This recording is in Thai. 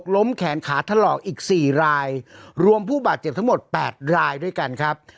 แขนขาถลอกอีก๔รายรวมผู้บาดเจ็บทั้งหมด๘รายด้วยกันครับ